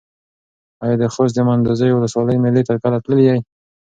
ایا د خوست د منډوزیو ولسوالۍ مېلې ته کله تللی یې؟